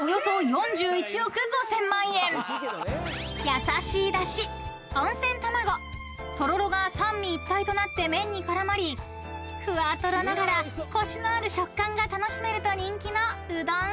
［優しいだし温泉玉子とろろが三位一体となって麺に絡まりふわとろながらコシのある食感が楽しめると人気のうどん］